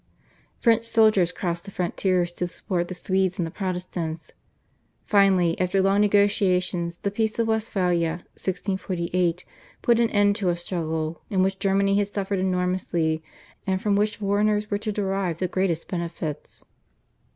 French soldiers crossed the frontiers to support the Swedes and the Protestants. Finally after long negotiations the Peace of Westphalia (1648) put an end to a struggle, in which Germany had suffered enormously, and from which foreigners were to derive the greatest benefits.